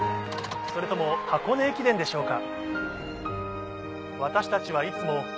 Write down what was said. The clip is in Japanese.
それとも『箱根駅伝』でしょうか。